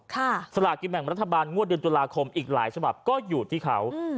สลากกินแบ่งรัฐบาลงวดเดือนตุลาคมอีกหลายฉบับก็อยู่ที่เขา